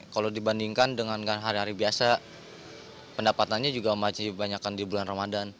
kalau dibandingkan dengan hari hari biasa pendapatannya juga masih dibanyakan di bulan ramadan